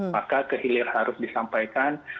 maka kehilir harus disampaikan